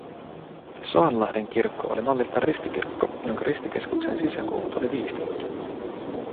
Soanlahden kirkko oli malliltaan ristikirkko, jonka ristikeskuksen sisäkulmat oli viistetty